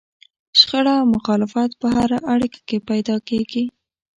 شخړه او مخالفت په هره اړيکه کې پيدا کېږي.